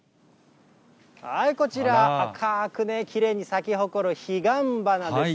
こちら、赤くきれいに咲き誇る彼岸花です。